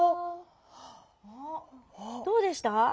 どうでした？